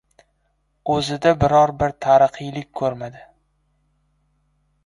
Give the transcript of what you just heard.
O‘zida biror-bir tarixiylik ko‘rmadi.